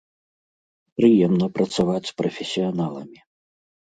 Прыемна працаваць з прафесіяналамі!